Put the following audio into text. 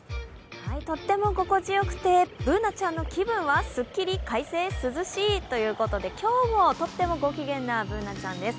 とっても心地よくて、Ｂｏｏｎａちゃんの気分はすっきり快晴、涼しいということで、今日もとってもご機嫌なＢｏｏｎａちゃんです。